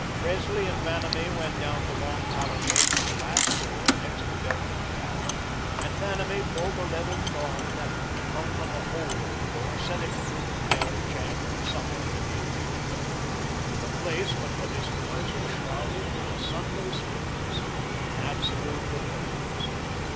Presley and Vanamee went down the long colonnade to the last door next the belfry tower, and Vanamee pulled the leather thong that hung from a hole in the door, setting a little bell jangling somewhere in the interior. The place, but for this noise, was shrouded in a Sunday stillness, an absolute repose.